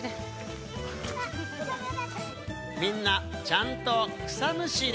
みんな、ちゃんと草むしり。